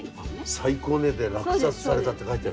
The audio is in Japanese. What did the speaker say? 最高値で落札されたって書いてある。